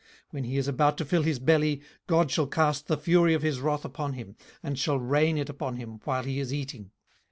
18:020:023 When he is about to fill his belly, God shall cast the fury of his wrath upon him, and shall rain it upon him while he is eating.